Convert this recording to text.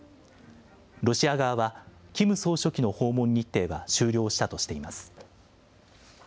ロシア側は、キム総書記の訪問日程は終了したとしています。